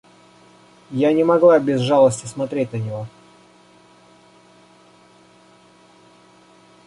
Я не могла без жалости смотреть на него.